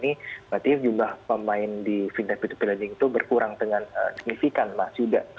berarti jumlah pemain di fintech p dua p lending itu berkurang dengan signifikan mas yuda